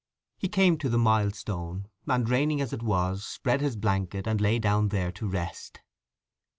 He came to the milestone, and, raining as it was, spread his blanket and lay down there to rest.